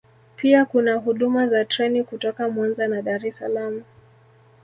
Pia kuna huduma za treni kutoka Mwanza na Dar es Salaam